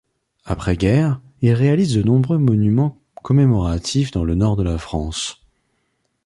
Après guerre, il réalise de nombreux monuments commémoratifs dans le nord de la France.